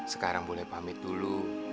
sekarang boleh pamit dulu